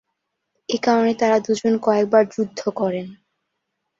এ কারণে তারা দু'জন কয়েকবার যুদ্ধ করেন।